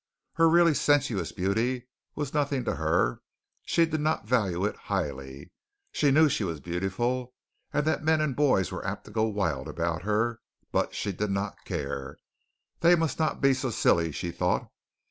Her really sensuous beauty was nothing to her. She did not value it highly. She knew she was beautiful, and that men and boys were apt to go wild about her, but she did not care. They must not be so silly, she thought.